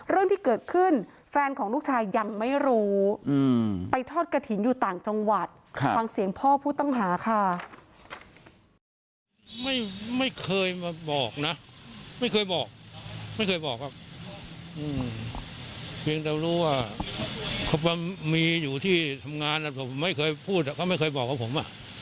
เรื่องที่เกิดขึ้นแฟนของลูกชายยังไม่รู้ไปทอดกระถิ่นอยู่ต่างจังหวัดฟังเสียงพ่อผู้ต้องหาค่ะ